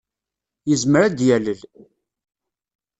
Yezmer ad d-yalel.